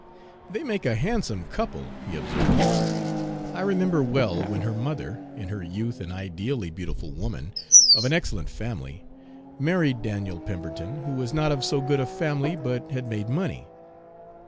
"They make a handsome couple," he observed. "I remember well when her mother, in her youth an ideally beautiful woman, of an excellent family, married Daniel Pemberton, who was not of so good a family, but had made money.